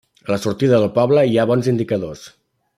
A la sortida del poble hi ha bons indicadors.